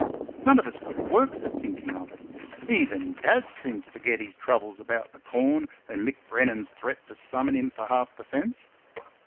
None of us could work for thinking of it even Dad seemed to forget his troubles about the corn and Mick Brennan's threat to summon him for half the fence.